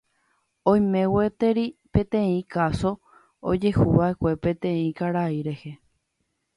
Oime gueteri peteĩ káso ojehuva'ekue peteĩ karai rehe.